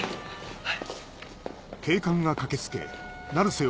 はい。